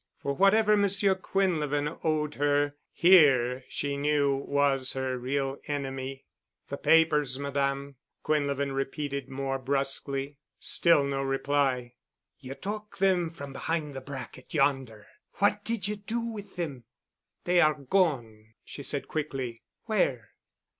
For whatever Monsieur Quinlevin owed her, here she knew was her real enemy. "The papers, Madame," Quinlevin repeated more brusquely. Still no reply. "You took them from behind the bracket yonder. What did you do with them?" "They are gone," she said quickly. "Where?"